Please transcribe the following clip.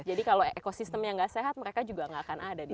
jadi kalau ekosistemnya nggak sehat mereka juga nggak akan ada di sini